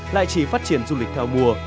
lại chỉ phát triển du lịch theo mùa